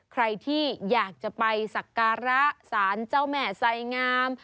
ใครที่อยากจะไปสักการะสารเจ้าแม่ไสงาม